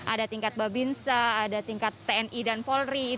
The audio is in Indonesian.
ada tingkat babinsa ada tingkat tni dan polri